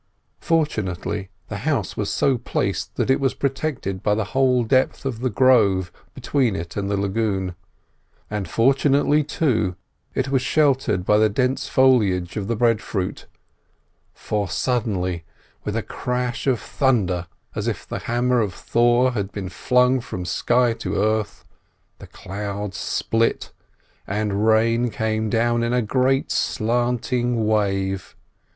Fortunately the house was so placed that it was protected by the whole depth of the grove between it and the lagoon; and fortunately, too, it was sheltered by the dense foliage of the breadfruit, for suddenly, with a crash of thunder as if the hammer of Thor had been flung from sky to earth, the clouds split and the rain came down in a great slanting wave.